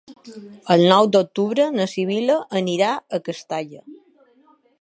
El nou d'octubre na Sibil·la anirà a Castalla.